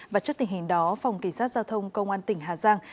và trước tình hình đó phòng cảnh sát giao thông công an tỉnh hà giang